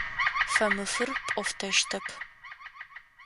Фэмыфыр пӏофтэщтэп.